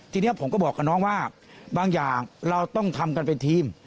ทีนี้ผมก็บอกกับน้องว่าบางอย่างเราต้องทำกันเป็นทีม